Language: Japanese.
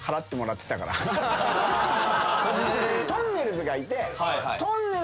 とんねるずがいて。